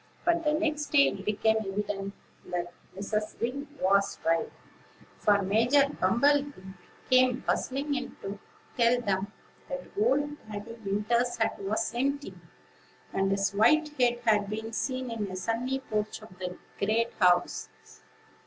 But, the next day, it became evident that Mrs. Wing was right; for Major Bumble bee came buzzing in to tell them that old Daddy Winter's hut was empty, and his white head had been seen in the sunny porch of the great house.